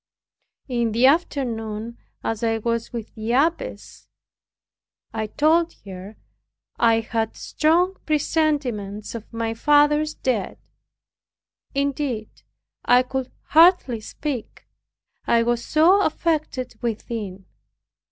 In the afternoon as I was with the abbess, I told her I had strong presentiments of my father's death. Indeed I could hardly speak, I was so affected within.